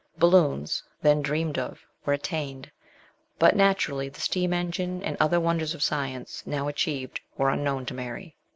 Balloons, then dreamed of, were attained ; but naturally the steam engine and other wonders of science, now achieved, were unknown to Mary.